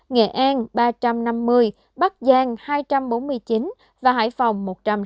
nghệ an ba trăm năm mươi bắc giang hai trăm bốn mươi chín và hải phòng một trăm sáu mươi